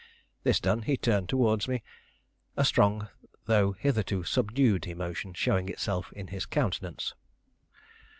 This done, he turned towards me, a strong, though hitherto subdued, emotion showing itself in his countenance.